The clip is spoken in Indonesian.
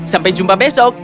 sampai jumpa besok